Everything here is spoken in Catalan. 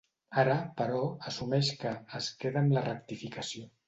Ara, però, assumeix que ‘es queda amb la rectificació’.